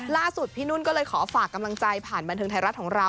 ล่าสุดพี่นุ่นก็เลยขอฝากกำลังใจผ่านบันเทิงไทยรัฐของเรา